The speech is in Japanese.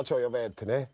ってね。